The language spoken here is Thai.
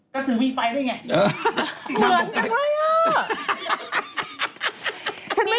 เขาพูดเรื่องกะสืออย่างไร